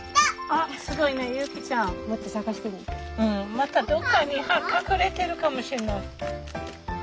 まだどっかに隠れてるかもしれない。